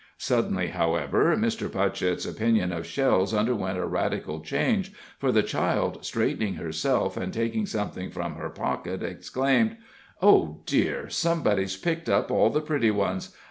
Suddenly, however, Mr. Putchett's opinion of shells underwent a radical change, for the child, straightening herself and taking something from her pocket, exclaimed: "Oh, dear, somebody's picked up all the pretty ones.